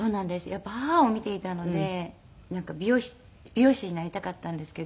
やっぱり母を見ていたので美容師になりたかったんですけど。